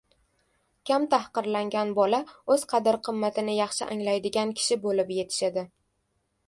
Kam tahqirlangan bola o‘z qadr-qimmatini yaxshi anglaydigan kishi bo‘lib yetishadi.